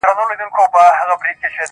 • الوداع درڅخه ولاړم ستنېدل مي بیرته نسته -